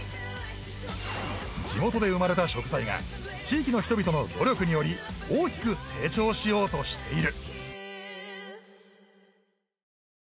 地元で生まれた食材が地域の人々の努力により大きく成長しようとしている